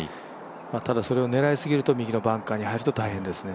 ただそれを狙いすぎると右のバンカーに入ると大変ですね。